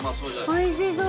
おいしそう。